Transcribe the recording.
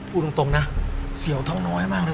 พูดตรงนะเซียวท่องน้อยมากเลย